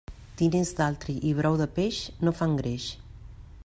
Diners d'altri i brou de peix no fan greix.